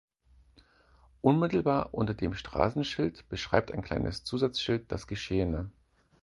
Unmittelbar unter dem Straßenschild beschreibt ein kleines Zusatzschild das Geschehene.